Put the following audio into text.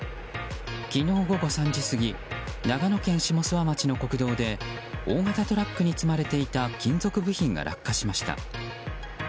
昨日午後３時過ぎ長野県下諏訪町の国道で大型トラックに積まれていた金属部品が落下しました。